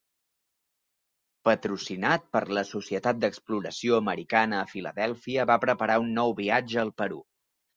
Patrocinat per la Societat d'Exploració Americana a Filadèlfia va preparar un nou viatge al Perú.